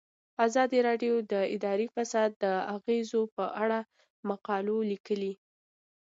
ازادي راډیو د اداري فساد د اغیزو په اړه مقالو لیکلي.